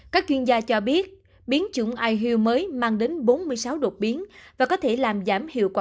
các chuyên gia cho biết biến chủng ihu mới mang đến bốn mươi sáu đột biến và có thể làm giảm hiệu quả